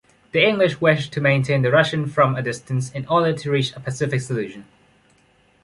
The English wish to maintain the Russian from a distance in order to reach a pacific solution.